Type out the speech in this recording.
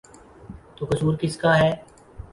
تو قصور کس کا ہے؟